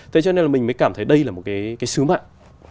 thế cho nên là mình mới cảm thấy đây là một cái sứ mạng